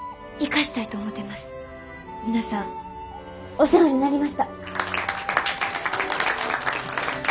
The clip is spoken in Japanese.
皆さんお世話になりました。